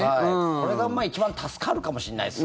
これが一番助かるかもしんないです。